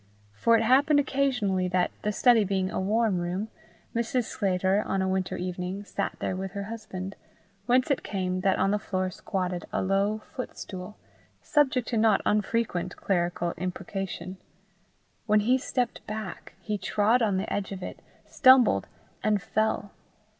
For it happened occasionally that, the study being a warm room, Mrs. Sclater, on a winter evening, sat there with her husband, whence it came that on the floor squatted a low foot stool, subject to not unfrequent clerical imprecation: when he stepped back, he trod on the edge of it, stumbled, and fell.